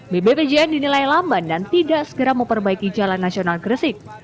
bbpjn dinilai lamban dan tidak segera memperbaiki jalan nasional gresik